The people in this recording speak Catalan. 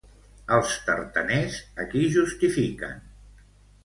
Els tartaners a qui justifiquen?